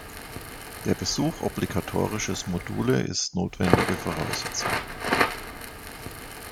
Der Besuch obligatorisches Module ist notwendige Voraussetzung.